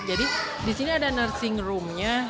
jadi di sini ada nursing room nya